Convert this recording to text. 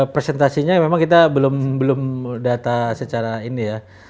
presentasinya memang kita belum data secara ini ya